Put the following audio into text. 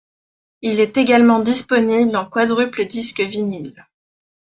Il est également disponible en quadruple disque vinyle.